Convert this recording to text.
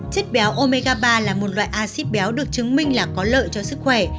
chất béo omega ba là một loại acid béo được chứng minh là có lợi cho sức khỏe